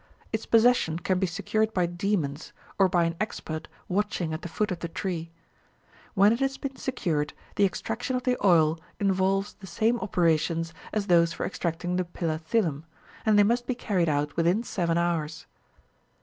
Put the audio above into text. Its possession can be secured by demons, or by an expert watching at the foot of the tree. When it has been secured, the extraction of the oil involves the same operations as those for extracting the pilla thilum, and they must be carried out within seven hours.